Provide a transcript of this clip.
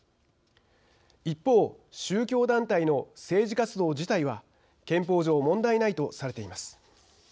一方、宗教団体の政治活動自体は憲法上、問題ないとされています。